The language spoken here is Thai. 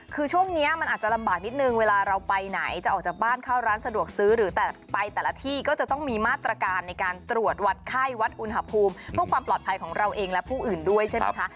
คือช่วงนี้มันอาจจะลำบากนิดนึงเวลาเราไปไหนจะออกจากบ้านเข้าร้านสะดวกซื้อหรือแต่ไปแต่ละที่ก็จะต้องมีมาตรการในการตรวจวัดไข้วัดอุณหภูมิเพื่อความปลอดภัยของเราเองและผู้อื่นด้วยใช่ไหมคะ